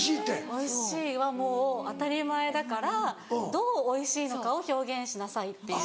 「おいしい」はもう当たり前だからどうおいしいのかを表現しなさいっていう。